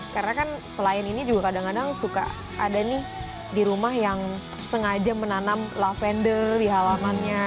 karena kan selain ini juga kadang kadang suka ada nih di rumah yang sengaja menanam lavender di halamannya